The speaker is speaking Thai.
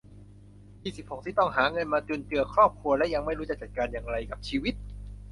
ยี่สิบหก ที่ต้องหาเงินมาจุนเจือครอบครัวและยังไม่รู้จะจัดการอย่างไรกับชีวิต